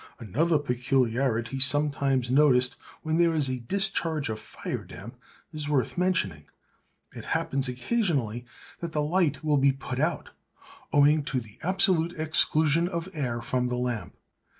Another peculiarity sometimes noticed when there is a discharge of fire damp is worth mentioning. It happens, occasionally, that the light will be put out owing to the absolute exclusion of air from the lamp.